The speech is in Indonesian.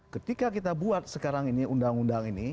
ketika kita buat sekarang ini undang undang ini